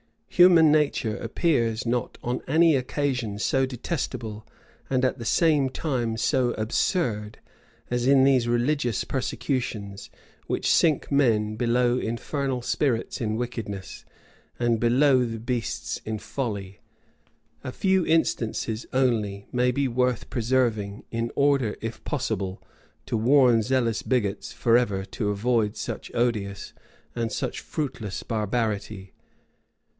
Human nature appears not on any occasion so detestable, and at the same time so absurd, as in these religious persecutions, which sink men below infernal spirits in wickedness, and below the beasts in folly. A few instances only may be worth preserving, in order, if possible, to warn zealous bigots forever to avoid such odious and such fruitless barbarity.